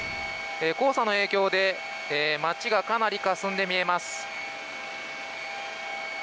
黄砂の影響で街がかなりかすんで見えます。